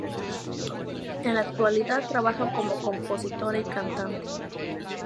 En la actualidad trabaja como compositora y cantante.